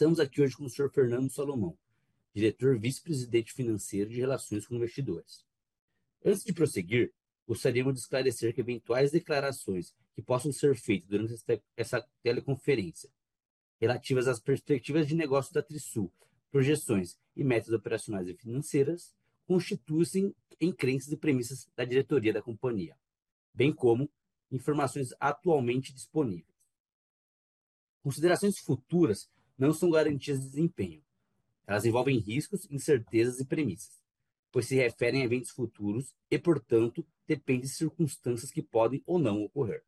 Estamos aqui hoje com o Senhor Fernando Salomão, Diretor Vice-Presidente Financeiro e de Relações com Investidores. Antes de prosseguir, gostaríamos de esclarecer que eventuais declarações que possam ser feitas durante essa teleconferência, relativas às perspectivas de negócios da Trisul, projeções e metas operacionais e financeiras, constituem em crenças e premissas da diretoria da companhia, bem como informações atualmente disponíveis. Considerações futuras não são garantias de desempenho. Elas envolvem riscos, incertezas e premissas, pois se referem a eventos futuros e, portanto, dependem de circunstâncias que podem ou não ocorrer.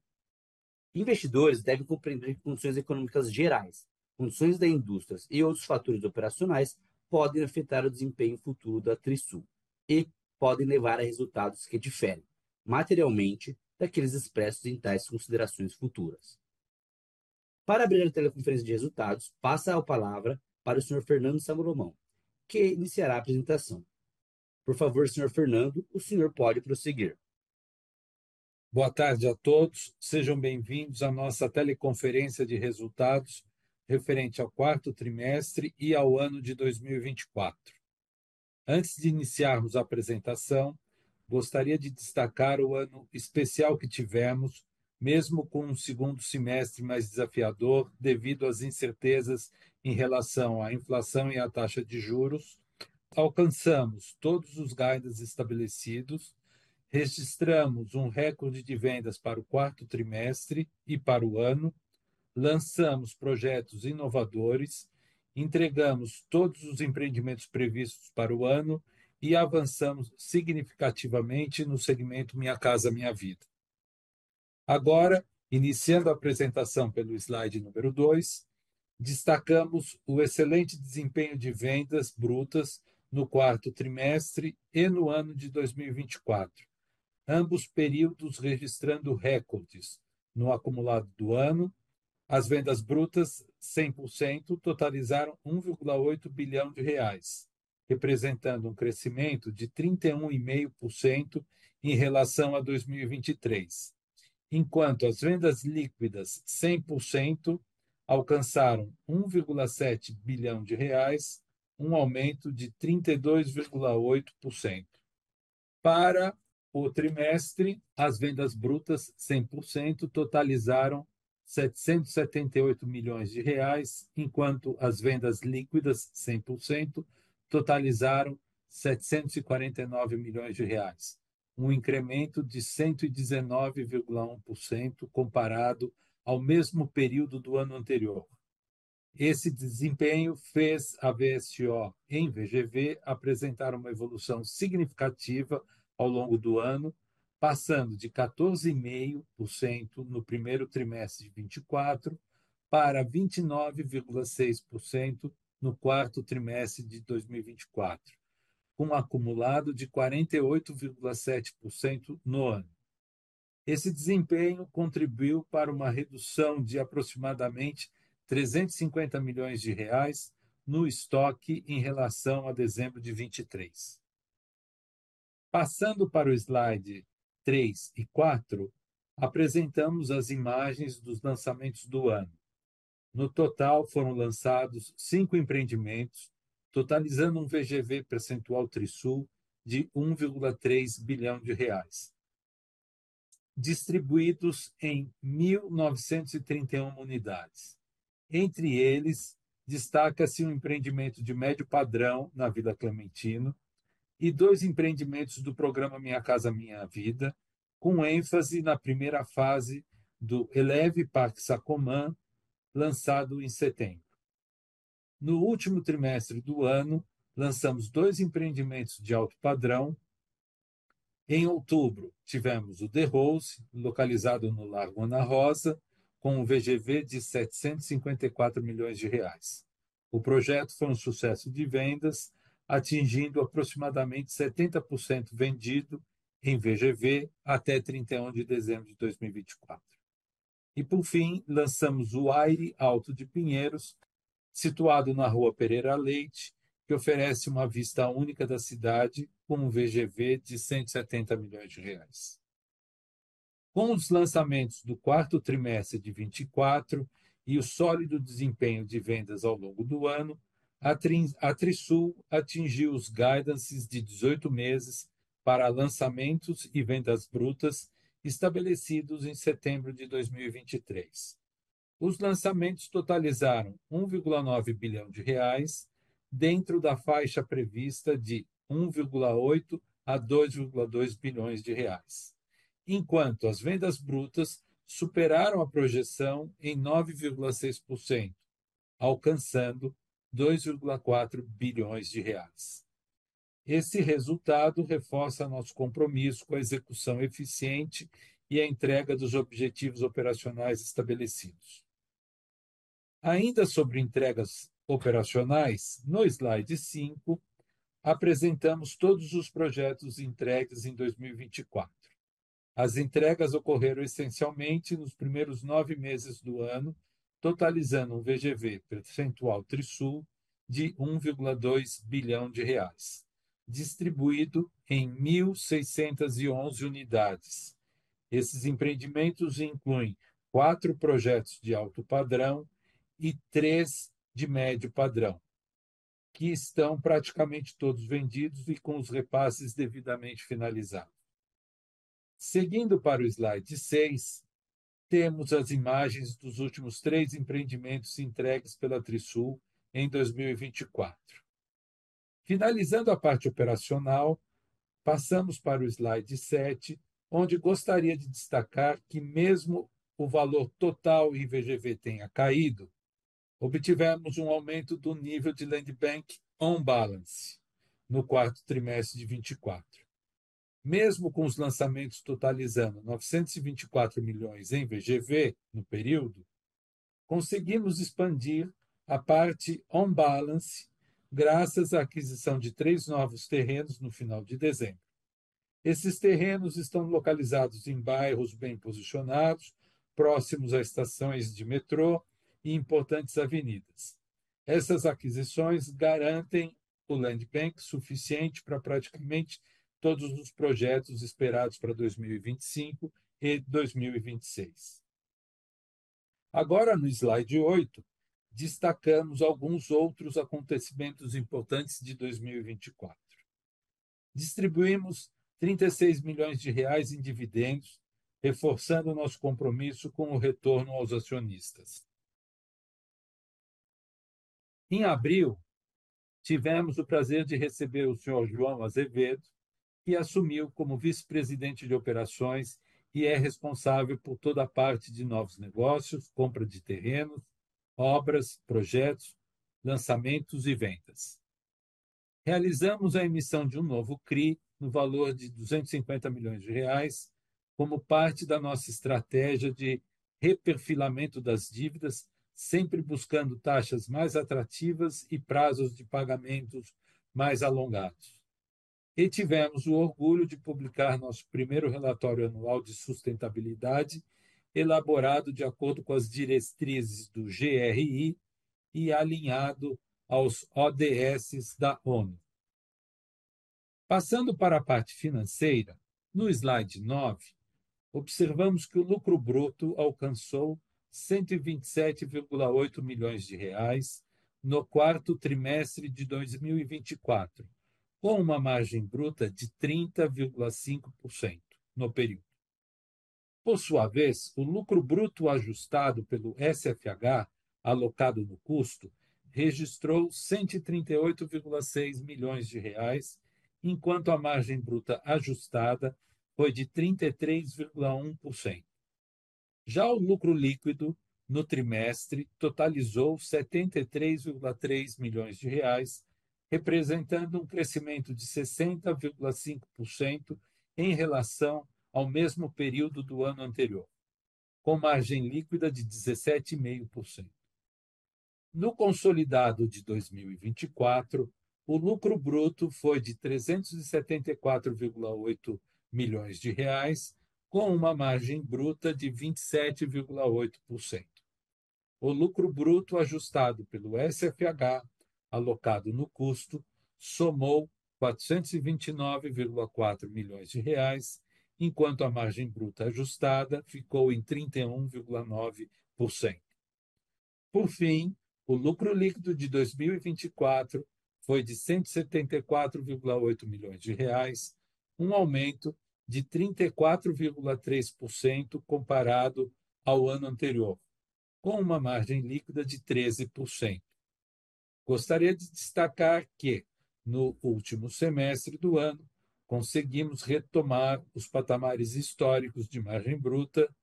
Investidores devem compreender que condições econômicas gerais, condições da indústria e outros fatores operacionais podem afetar o desempenho futuro da Trisul e podem levar a resultados que diferem materialmente daqueles expressos em tais considerações futuras. Para abrir a teleconferência de resultados, passo a palavra para o Senhor Fernando Salomão, que iniciará a apresentação. Por favor, Senhor Fernando, o senhor pode prosseguir. Boa tarde a todos. Sejam bem-vindos à nossa teleconferência de resultados referente ao quarto trimestre e ao ano de 2024. Antes de iniciarmos a apresentação, gostaria de destacar o ano especial que tivemos, mesmo com o segundo semestre mais desafiador, devido às incertezas em relação à inflação e à taxa de juros, alcançamos todos os guidances estabelecidos, registramos um recorde de vendas para o quarto trimestre e para o ano, lançamos projetos inovadores, entregamos todos os empreendimentos previstos para o ano e avançamos significativamente no segmento Minha Casa, Minha Vida. Agora, iniciando a apresentação pelo slide número dois, destacamos o excelente desempenho de vendas brutas no quarto trimestre e no ano de 2024, ambos períodos registrando recordes no acumulado do ano. As vendas brutas 100% totalizaram 1.8 bilhão de reais, representando um crescimento de 31.5% em relação a 2023, enquanto as vendas líquidas 100% alcançaram 1.7 bilhão de reais, um aumento de 32.8%. Para o trimestre, as vendas brutas 100% totalizaram 778 milhões de reais, enquanto as vendas líquidas 100% totalizaram 749 milhões de reais, um incremento de 119.1% comparado ao mesmo período do ano anterior. Esse desempenho fez a VSO em VGV apresentar uma evolução significativa ao longo do ano, passando de 14.5% no primeiro trimestre de 2024 para 29.6% no quarto trimestre de 2024, com acumulado de 48.7% no ano. Esse desempenho contribuiu para uma redução de aproximadamente 350 milhões reais no estoque em relação a dezembro de 2023. Passando para o slide 3 e 4, apresentamos as imagens dos lançamentos do ano. No total, foram lançados 5 empreendimentos, totalizando um VGV potencial Trisul de 1.3 bilhão reais, distribuídos em 1,931 unidades. Entre eles, destaca-se um empreendimento de médio padrão na Vila Clementino e 2 empreendimentos do programa Minha Casa, Minha Vida, com ênfase na primeira fase do Elevv Parque Sacomã, lançado em setembro. No último trimestre do ano, lançamos 2 empreendimentos de alto padrão. Em outubro, tivemos o The House, localizado no Largo Ana Rosa, com um VGV de 754 milhões reais. O projeto foi um sucesso de vendas, atingindo aproximadamente 70% vendido em VGV até 31 de dezembro de 2024. Por fim, lançamos o Aire Alto de Pinheiros, situado na Rua Pereira Leite, que oferece uma vista única da cidade com um VGV de 170 milhões reais. Com os lançamentos do quarto trimestre de 2024 e o sólido desempenho de vendas ao longo do ano, a Trisul atingiu os guidances de 18 meses para lançamentos e vendas brutas estabelecidos em setembro de 2023. Os lançamentos totalizaram 1.9 bilhão reais dentro da faixa prevista de 1.8 bilhão-2.2 bilhões reais, enquanto as vendas brutas superaram a projeção em 9.6%, alcançando BRL 2.4 bilhões. Esse resultado reforça nosso compromisso com a execução eficiente e a entrega dos objetivos operacionais estabelecidos. Ainda sobre entregas operacionais, no slide 5, apresentamos todos os projetos entregues em 2024. As entregas ocorreram essencialmente nos primeiros 9 meses do ano, totalizando um VGV potencial Trisul de 1.2 billion reais, distribuído em 1,611 unidades. Esses empreendimentos incluem 4 projetos de alto padrão e 3 de médio padrão, que estão praticamente todos vendidos e com os repasses devidamente finalizados. Seguindo para o slide 6, temos as imagens dos últimos 3 empreendimentos entregues pela Trisul em 2024. Finalizando a parte operacional, passamos para o slide 7, onde gostaria de destacar que mesmo o valor total em VGV tenha caído, obtivemos um aumento do nível de land banking on-balance sheet no quarto trimestre de 2024. Mesmo com os lançamentos totalizando 924 milhões em VGV no período, conseguimos expandir a parte on-balance sheet graças à aquisição de 3 novos terrenos no final de dezembro. Esses terrenos estão localizados em bairros bem posicionados, próximos a estações de metrô e importantes avenidas. Essas aquisições garantem o land banking suficiente pra praticamente todos os projetos esperados pra 2025 e 2026. Agora, no slide 8, destacamos alguns outros acontecimentos importantes de 2024. Distribuímos 36 milhões reais em dividendos, reforçando nosso compromisso com o retorno aos acionistas. Em abril, tivemos o prazer de receber o senhor João Azevedo, que assumiu como Vice-Presidente de Operações e é responsável por toda a parte de novos negócios, compra de terrenos, obras, projetos, lançamentos e vendas. Realizamos a emissão de um novo CRI no valor de 250 milhões reais, como parte da nossa estratégia de reperfilamento das dívidas, sempre buscando taxas mais atrativas e prazos de pagamentos mais alongados. Tivemos o orgulho de publicar nosso primeiro relatório anual de sustentabilidade, elaborado de acordo com as diretrizes do GRI e alinhado aos ODS da ONU. Passando para a parte financeira, no slide 9, observamos que o lucro bruto alcançou 127.8 milhões de reais no quarto trimestre de 2024, com uma margem bruta de 30.5% no período. Por sua vez, o lucro bruto ajustado pelo SFH alocado no custo registrou 138.6 milhões de reais, enquanto a margem bruta ajustada foi de 33.1%. Já o lucro líquido no trimestre totalizou 73.3 milhões de reais, representando um crescimento de 60.5% em relação ao mesmo período do ano anterior, com margem líquida de 17.5%. No consolidado de 2024, o lucro bruto foi de 374.8 million reais, com uma margem bruta de 27.8%. O lucro bruto ajustado pelo SFH alocado no custo somou 429.4 million reais, enquanto a margem bruta ajustada ficou em 31.9%. Por fim, o lucro líquido de 2024 foi de 174.8 million reais, um aumento de 34.3% comparado ao ano anterior, com uma margem líquida de 13%. Gostaria de destacar que, no último semestre do ano, conseguimos retomar os patamares históricos de margem bruta.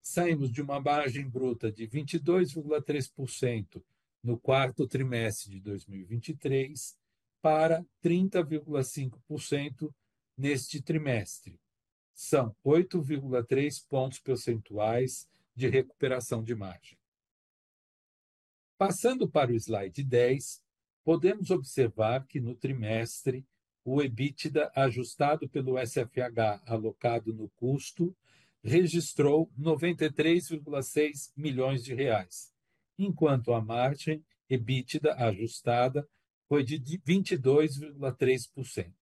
Saímos de uma margem bruta de 22.3% no quarto trimestre de 2023 para 30.5% neste trimestre. São 8.3 pontos percentuais de recuperação de margem. Passando para o slide 10, podemos observar que no trimestre, o EBITDA ajustado pelo SFH alocado no custo registrou 93.6 million reais, enquanto a margem EBITDA ajustada foi de 22.3%.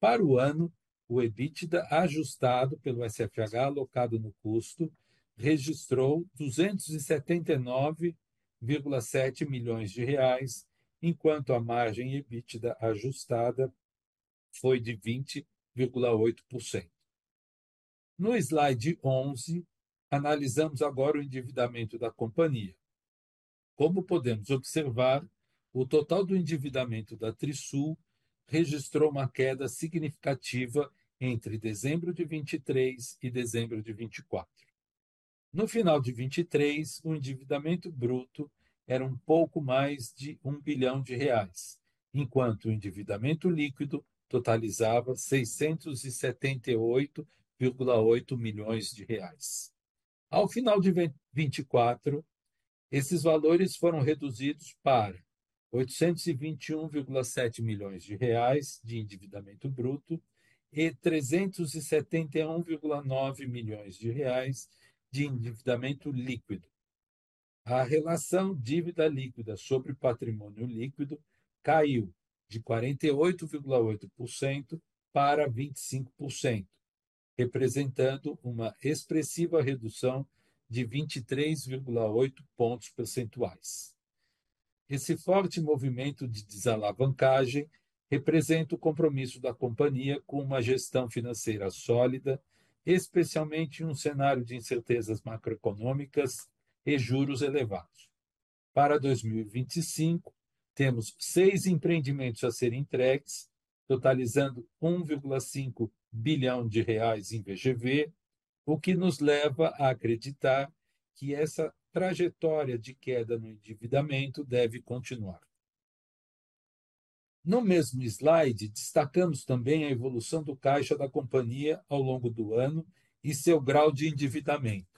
Para o ano, o EBITDA ajustado pelo SFH alocado no custo registrou 279.7 million reais, enquanto a margem EBITDA ajustada foi de 20.8%. No slide 11, analisamos agora o endividamento da companhia. Como podemos observar, o total do endividamento da Trisul registrou uma queda significativa entre dezembro de 2023 e dezembro de 2024. No final de 2023, o endividamento bruto era um pouco mais de 1 billion reais, enquanto o endividamento líquido totalizava 678.8 million reais. Ao final de 2024, esses valores foram reduzidos para 821.7 million reais de endividamento bruto e 371.9 million reais de endividamento líquido. A relação dívida líquida sobre patrimônio líquido caiu de 48.8% para 25%, representando uma expressiva redução de 23.8 pontos percentuais. Esse forte movimento de desalavancagem representa o compromisso da companhia com uma gestão financeira sólida, especialmente em um cenário de incertezas macroeconômicas e juros elevados. Para 2025, temos 6 empreendimentos a serem entregues, totalizando 1.5 billion reais em VGV, o que nos leva a acreditar que essa trajetória de queda no endividamento deve continuar. No mesmo slide, destacamos também a evolução do caixa da companhia ao longo do ano e seu grau de endividamento.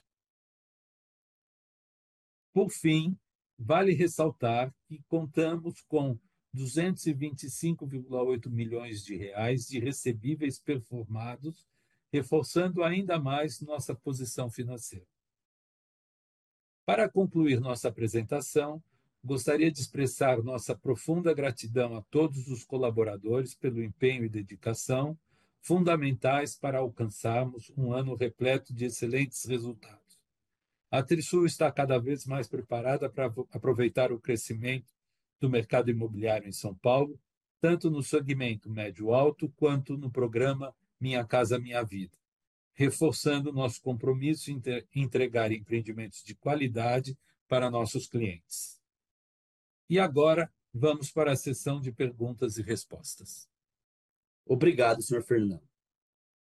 Por fim, vale ressaltar que contamos com 225.8 milhões de reais de recebíveis performados, reforçando ainda mais nossa posição financeira. Para concluir nossa apresentação, gostaria de expressar nossa profunda gratidão a todos os colaboradores pelo empenho e dedicação, fundamentais para alcançarmos um ano repleto de excelentes resultados. A Trisul está cada vez mais preparada pra aproveitar o crescimento do mercado imobiliário em São Paulo, tanto no segmento médio-alto quanto no programa Minha Casa, Minha Vida, reforçando nosso compromisso em entregar empreendimentos de qualidade para nossos clientes. Agora vamos para a sessão de perguntas e respostas. Obrigado, senhor Fernando.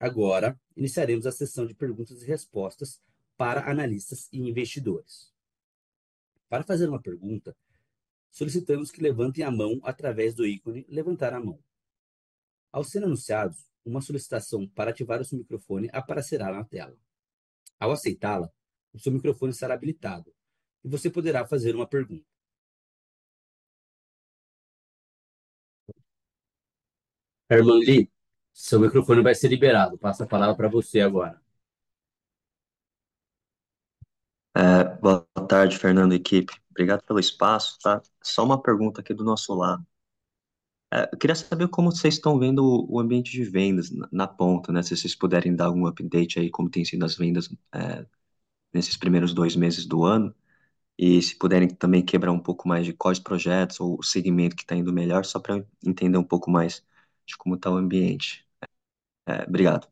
Agora iniciaremos a sessão de perguntas e respostas para analistas e investidores. Para fazer uma pergunta, solicitamos que levantem a mão através do ícone "Levantar a mão". Ao serem anunciados, uma solicitação para ativar o seu microfone aparecerá na tela. Ao aceitá-la, o seu microfone será habilitado e você poderá fazer uma pergunta. Herman Li, seu microfone vai ser liberado. Passo a palavra pra você agora. Boa tarde, Fernando e equipe. Obrigado pelo espaço, tá? Só uma pergunta aqui do nosso lado. Eu queria saber como cês tão vendo o ambiente de vendas na ponta, né? Se vocês puderem dar algum update aí, como têm sido as vendas nesses primeiros dois meses do ano. Se puderem também quebrar um pouco mais de quais projetos ou o segmento que tá indo melhor, só pra eu entender um pouco mais de como tá o ambiente. Obrigado.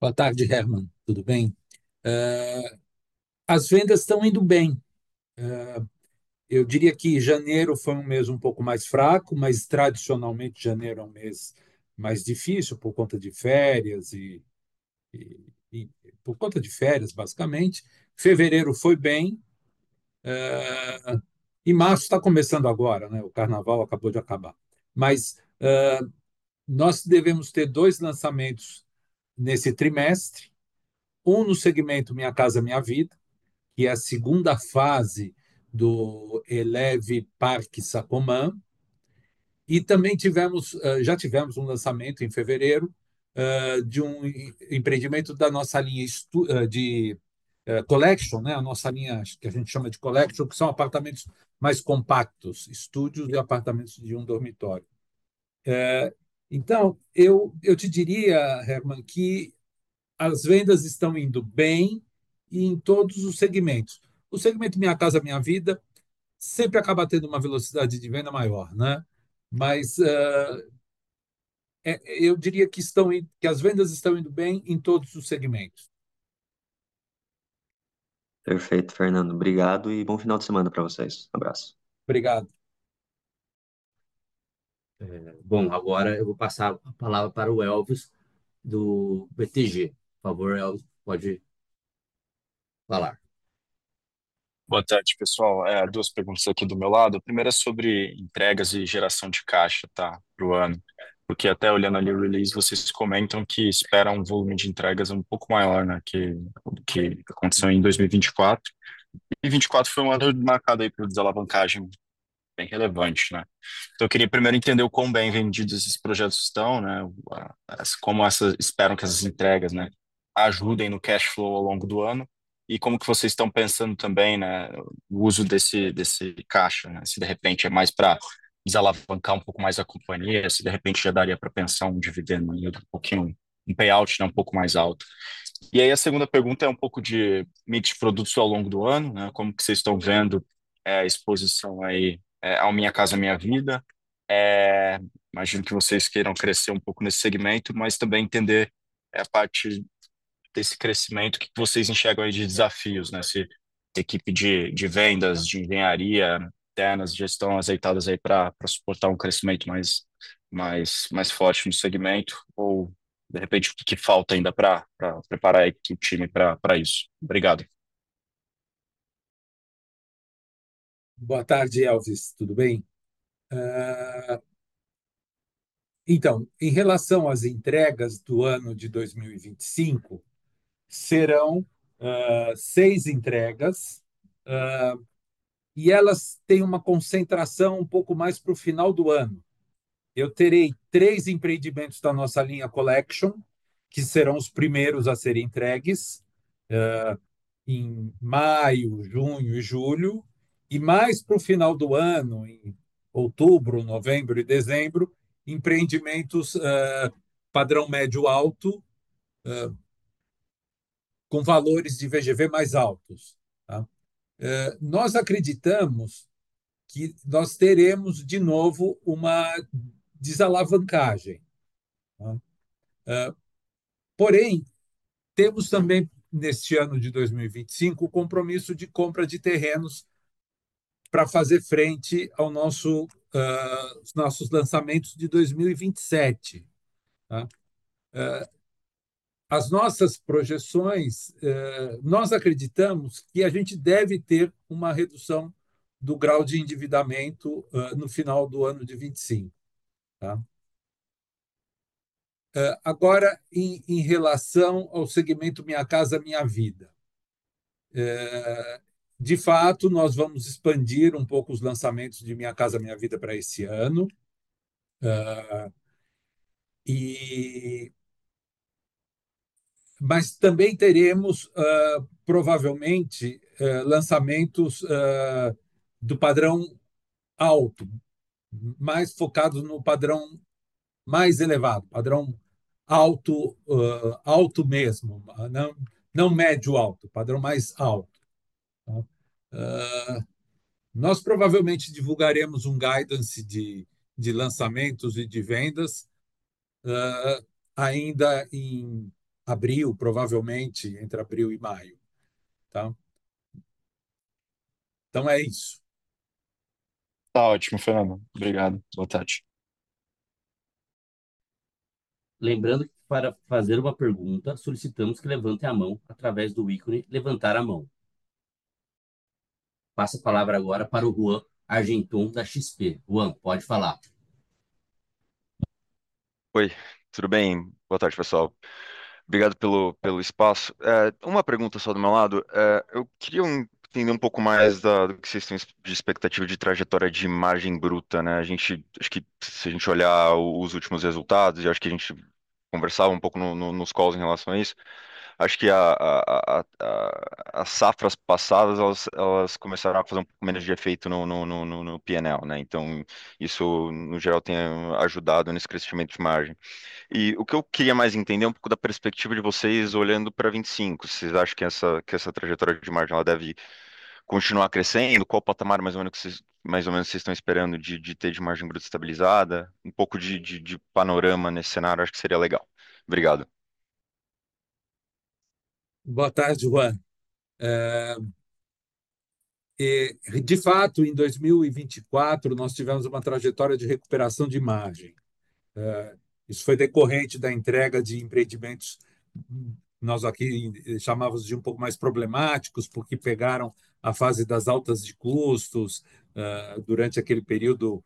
Boa tarde, Herman. Tudo bem? As vendas tão indo bem. Eu diria que janeiro foi um mês um pouco mais fraco, mas tradicionalmente janeiro é um mês mais difícil por conta de férias, basicamente. Fevereiro foi bem e março tá começando agora, né? O carnaval acabou de acabar. Mas, nós devemos ter dois lançamentos nesse trimestre, um no segmento Minha Casa, Minha Vida, que é a segunda fase do Elevv Parque Sapopemba. E também já tivemos um lançamento em fevereiro, de um empreendimento da nossa linha de Collection, né? A nossa linha que a gente chama de Collection, que são apartamentos mais compactos, estúdios e apartamentos de um dormitório. Então eu te diria, Herman, que as vendas estão indo bem e em todos os segmentos. O segmento Minha Casa, Minha Vida sempre acaba tendo uma velocidade de venda maior, né? Mas, eu diria que as vendas estão indo bem em todos os segmentos. Perfeito, Fernando. Obrigado e bom final de semana pra vocês. Um abraço. Obrigado. Agora eu vou passar a palavra para o Elvis do BTG. Por favor, Elvis, pode falar. Boa tarde, pessoal. Duas perguntas aqui do meu lado. A primeira é sobre entregas e geração de caixa, tá? Pro ano. Porque até olhando ali o release, vocês comentam que esperam um volume de entregas um pouco maior, né, do que o que aconteceu em 2024. 2024 foi um ano marcado aí por desalavancagem bem relevante, né? Então eu queria primeiro entender o quão bem vendidos esses projetos estão, né? Como esperam que essas entregas, né, ajudem no cash flow ao longo do ano e como que vocês tão pensando também, né, o uso desse caixa, né, se de repente é mais pra desalavancar um pouco mais a companhia, se de repente já daria pra pensar um dividendo aí outro pouquinho, um payout, né, um pouco mais alto. Aí a segunda pergunta é um pouco de mix de produtos ao longo do ano, né, como que cês tão vendo a exposição aí ao Minha Casa, Minha Vida. É, imagino que vocês queiram crescer um pouco nesse segmento, mas também entender a parte desse crescimento, o que que vocês enxergam aí de desafios, né? Se a equipe de vendas, de engenharia internas já estão azeitadas aí pra suportar um crescimento mais forte no segmento ou, de repente, o que que falta ainda pra preparar a equipe, o time pra isso. Obrigado. Boa tarde, Elvis. Tudo bem? Então, em relação às entregas do ano de 2025, serão 6 entregas, elas têm uma concentração um pouco mais pro final do ano. Eu terei 3 empreendimentos da nossa linha Collection, que serão os primeiros a ser entregues, em maio, junho e julho, e mais pro final do ano, em outubro, novembro e dezembro, empreendimentos padrão médio-alto, com valores de VGV mais altos. Nós acreditamos que nós teremos de novo uma desalavancagem. Porém, temos também, neste ano de 2025, o compromisso de compra de terrenos pra fazer frente ao nosso, os nossos lançamentos de 2027. As nossas projeções, nós acreditamos que a gente deve ter uma redução do grau de endividamento, no final do ano de 2025. Agora em relação ao segmento Minha Casa, Minha Vida. De fato, nós vamos expandir um pouco os lançamentos de Minha Casa, Minha Vida pra esse ano. Também teremos, provavelmente, lançamentos do padrão alto, mais focados no padrão mais elevado, padrão alto mesmo, não médio-alto, padrão mais alto, tá? Nós provavelmente divulgaremos um guidance de lançamentos e de vendas, ainda em abril, provavelmente entre abril e maio, tá? É isso. Tá ótimo, Fernando. Obrigado. Boa tarde. Lembrando que para fazer uma pergunta, solicitamos que levante a mão através do ícone "levantar a mão". Passo a palavra agora para o Ruan Argenton da XP. Ruan, pode falar. Oi, tudo bem? Boa tarde, pessoal. Obrigado pelo espaço. Uma pergunta só do meu lado. Eu queria entender um pouco mais do que cês têm de expectativa de trajetória de margem bruta, né? Acho que se a gente olhar os últimos resultados, e acho que a gente conversava um pouco nos calls em relação a isso, acho que as safras passadas, elas começaram a fazer um pouco menos de efeito no P&L, né? Isso no geral tem ajudado nesse crescimento de margem. O que eu queria mais entender é um pouco da perspectiva de vocês olhando pra 2025. Cês acham que essa trajetória de margem, ela deve continuar crescendo? Qual o patamar mais ou menos que vocês estão esperando ter de margem bruta estabilizada? Um pouco de panorama nesse cenário, acho que seria legal. Obrigado. Boa tarde, Ruan. De fato, em 2024, nós tivemos uma trajetória de recuperação de margem. Isso foi decorrente da entrega de empreendimentos, nós aqui chamávamos de um pouco mais problemáticos, porque pegaram a fase das altas de custos, durante aquele período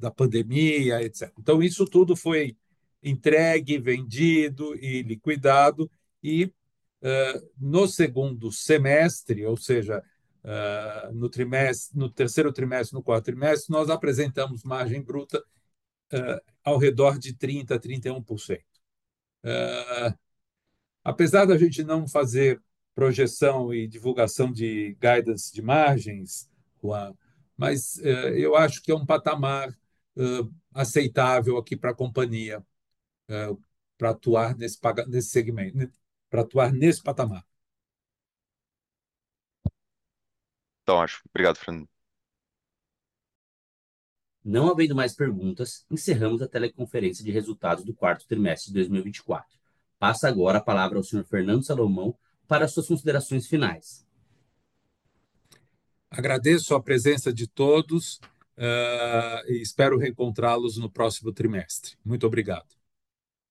da pandemia, etc. Então isso tudo foi entregue, vendido e liquidado. No segundo semestre, ou seja, no terceiro trimestre, no quarto trimestre, nós apresentamos margem bruta, ao redor de 30%-31%. Apesar da gente não fazer projeção e divulgação de guidance de margens, Ruan, mas eu acho que é um patamar aceitável aqui pra companhia, pra atuar nesse segmento, pra atuar nesse patamar. Tá ótimo. Obrigado, Fernando. Não havendo mais perguntas, encerramos a teleconferência de resultados do quarto trimestre de 2024. Passo agora a palavra ao senhor Fernando Salomão para suas considerações finais. Agradeço a presença de todos, e espero reencontrá-los no próximo trimestre. Muito obrigado.